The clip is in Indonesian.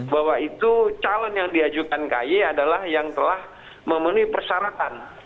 bahwa itu calon yang diajukan ky adalah yang telah memenuhi persyaratan